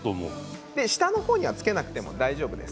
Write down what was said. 下の方にはつけなくても大丈夫です。